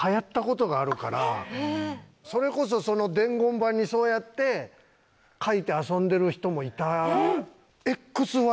それこそ伝言板にそうやって書いて遊んでる人もいた。